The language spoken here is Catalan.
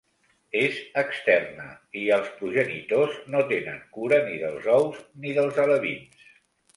És externa i els progenitors no tenen cura ni dels ous ni dels alevins.